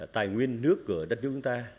tài nguyên nước của đất nước chúng ta